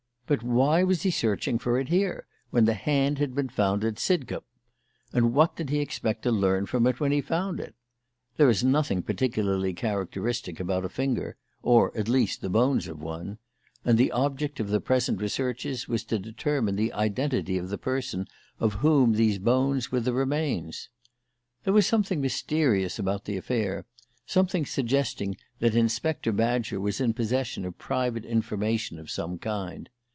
But why was he searching for it here when the hand had been found at Sidcup? And what did he expect to learn from it when he found it? There is nothing particularly characteristic about a finger, or, at least, the bones of one; and the object of the present researches was to determine the identity of the person of whom these bones were the remains. There was something mysterious about the affair, something suggesting that Inspector Badger was in possession of private information of some kind.